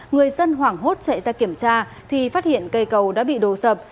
người dân hoảng hốt chạy ra kiểm tra thì phát hiện cây cầu đã bị đổ sập